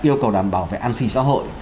yêu cầu đảm bảo về an si xã hội